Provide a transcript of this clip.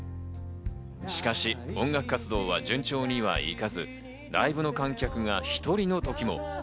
しかし音楽活動は順調にはいかず、ライブの観客が１人の時も。